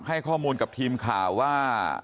ให้ข้อมูลกับทีมข่าวว่า